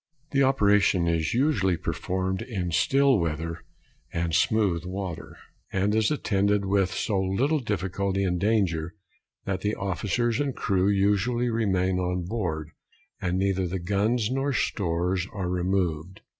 The operation is usually performed in still weather and smooth water, and is attended with so little difficulty and danger, that the officers and crew usually remain on board, and neither the guns nor stores are removed.